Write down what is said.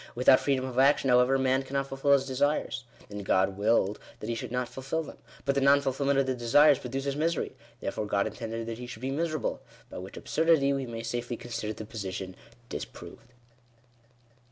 Without freedom of action, however, man cannot fulfil his desires. Then God willed that he should not fulfil them. But the non fulfilment of the desires produces misery. Therefore, God intended that he should be miserable. By which absurdity we may safely consider the position dis proved.